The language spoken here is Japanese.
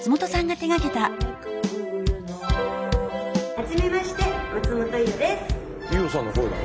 初めまして松本伊代です。